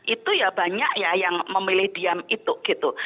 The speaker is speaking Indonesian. itu ya banyak ya yang memilih diam itu gitu